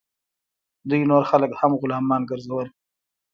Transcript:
دوی نور خلک هم غلامان ګرځول.